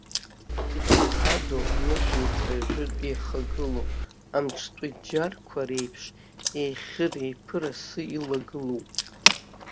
Иҭынхадоу анышәынҭра жәытә иахагылоу амҿтәы џьарқәа реиԥш иеихьыр-еиԥыр асы илагылоуп.